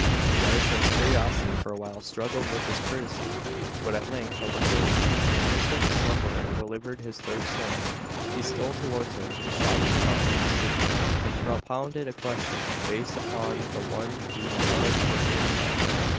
The Irishman's curiosity for a while struggled with his courtesy, but at length overcame it; and just as the slumberer delivered his third snore, he stole towards him, shook him out of his sleep, and propounded a question based upon the one he had already put to himself.